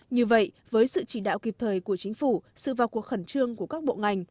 như vậy với sự chỉ đạo kịp thời của chính phủ sự vào cuộc khẩn trương của các bộ ngành